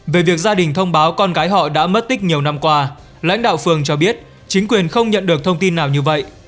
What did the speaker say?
về việc gia đình thông báo con gái họ đã mất tích nhiều năm qua lãnh đạo phường cho biết chính quyền không nhận được thông tin nào như vậy